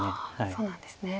そうなんですね。